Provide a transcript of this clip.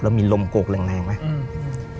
แล้วมีลมโกกแรงไหม